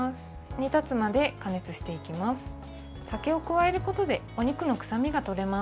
煮立つまで加熱していきます。